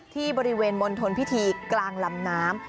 ที่บริเวณมณฑลพิธีกลางลำน้ำ